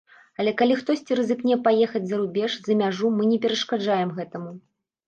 Але калі хтосьці рызыкне паехаць за рубеж, за мяжу, мы не перашкаджаем гэтаму.